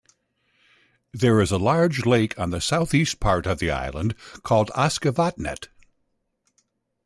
There is a large lake on the southeast part of the island, called Askevatnet.